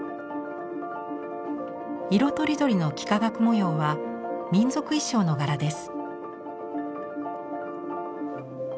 色とりどりの幾何学模様は民族衣装の柄です。